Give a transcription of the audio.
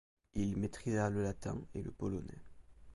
Il maîtrisa le latin et le polonais.